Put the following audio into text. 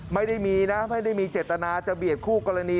ไม่ได้มีนะไม่ได้มีเจตนาจะเบียดคู่กรณี